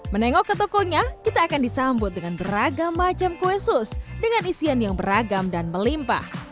menengok ke tokonya kita akan disambut dengan beragam macam kue sus dengan isian yang beragam dan melimpah